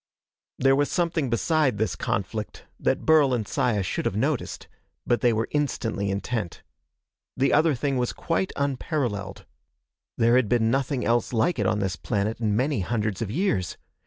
There was something beside this conflict that Burl and Saya should have noticed, but they were instantly intent. The other thing was quite unparalleled. There had been nothing else like it on this planet in many hundreds of years.